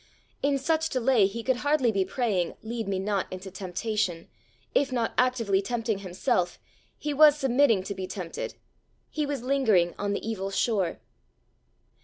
In such delay he could hardly be praying "Lead me not into temptation:" if not actively tempting himself, he was submitting to be tempted; he was lingering on the evil shore.